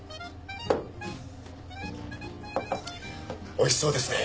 おいしそうですね。